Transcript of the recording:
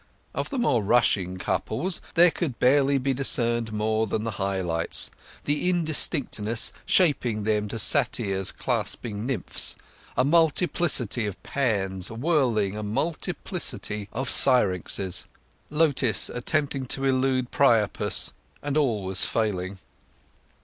Of the rushing couples there could barely be discerned more than the high lights—the indistinctness shaping them to satyrs clasping nymphs—a multiplicity of Pans whirling a multiplicity of Syrinxes; Lotis attempting to elude Priapus, and always failing.